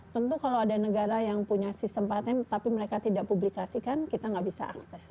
tentu kalau ada negara yang punya sistem patent tapi mereka tidak publikasikan kita nggak bisa akses